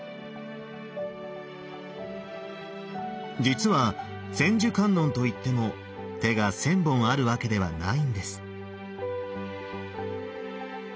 実は千手観音といっても手が千本あるわけではないんです。